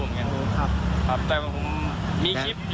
แต่ผมมีคลิปอยู่